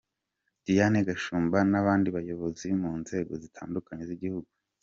Diane Gashumba n’abandi bayobozi mu nzego zitandukanye z’igihugu.